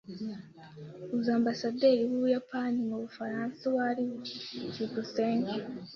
Uzi ambasaderi w’Ubuyapani mu Bufaransa uwo ari we? byukusenge